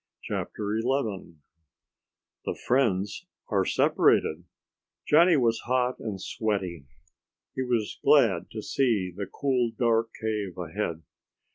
CHAPTER ELEVEN The Friends are Separated Johnny was hot and sweaty. He was glad to see the cool dark cave ahead.